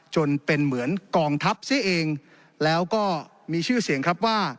จนเป็นเหมือนกองทัพเสียเองแล้วก็มีชื่อเสียงครับว่า